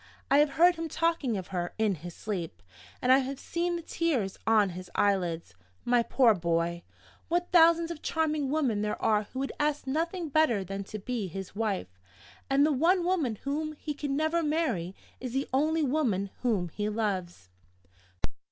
I have heard him talking of her in his sleep, and I have seen the tears on his eyelids. My poor boy! What thousands of charming women there are who would ask nothing better than to be his wife! And the one woman whom he can never marry is the only woman whom he loves!